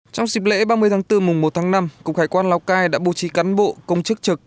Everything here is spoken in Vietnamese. trong dịp lễ ba mươi tháng bốn mùng một tháng năm cục hải quan lào cai đã bố trí cán bộ công chức trực